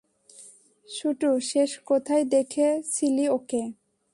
শুটু, শেষ কোথায় দেখেছিলি ওকে?